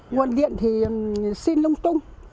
nguồn điện thì xin lung tung